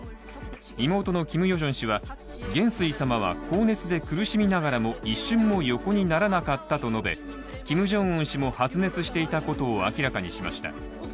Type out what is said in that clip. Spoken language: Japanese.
妹のキム・ヨジョン氏は、元帥様は高熱で苦しみながらも一瞬も横にならなかったと述べキム・ジョンウン氏も発熱していたことを明らかにしました。